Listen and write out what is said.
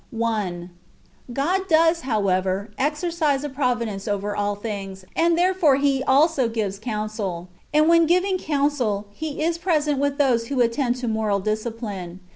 1. God does, however, exercise a providence overall things, and therefore He also gives counsel ; and when giving coun sel. He is present with those who attend to moral discipline.